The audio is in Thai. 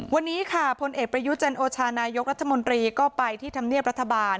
วันนี้ค่ะพลเอกประยุจันโอชานายกรัฐมนตรีก็ไปที่ธรรมเนียบรัฐบาล